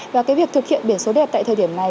và cái việc thực hiện biển số đẹp tại thời điểm này